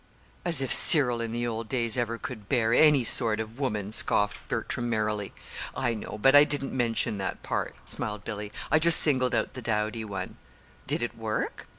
"As if Cyril, in the old days, ever could bear any sort of woman!" scoffed Bertram, merrily. "I know; but I didn't mention that part," smiled Billy. "I just singled out the dowdy one." "Did it work?"